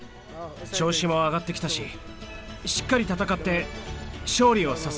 調子も上がってきたししっかり戦って勝利をささげます。